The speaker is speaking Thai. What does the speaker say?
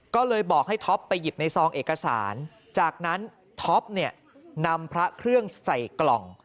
ก็เลยบอกให้ท็อปไปหยิบในซองเอกสารจากนั้นท็อปเนี่ยนำพระเครื่องใส่กล่อง